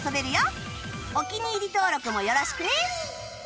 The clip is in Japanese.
お気に入り登録もよろしくね